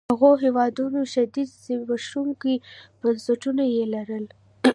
هغو هېوادونو شدید زبېښونکي بنسټونه يې لرل.